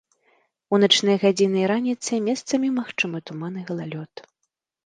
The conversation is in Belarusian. У начныя гадзіны і раніцай месцамі магчымы туман і галалёд.